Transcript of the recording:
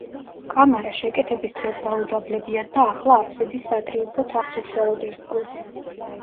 კამარა შეკეთების დროს დაუდაბლებიათ და ახლა აფსიდის სატრიუმფო თაღს უშუალოდ ერწყმის.